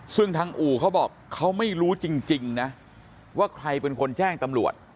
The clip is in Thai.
ซึ่งทางอู่เขาบอกเขาไม่รู้จริงนะว่าใครเป็นคนแจ้งตำรวจ